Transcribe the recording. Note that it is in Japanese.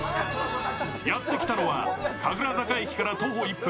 やってきたのは神楽坂駅から徒歩１分。